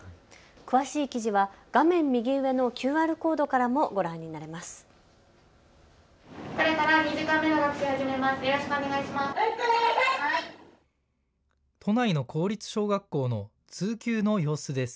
詳しい記事は画面右上のＱＲコードからもご覧になれます。